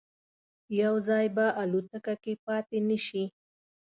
یو ځای به الوتکه کې پاتې نه شي.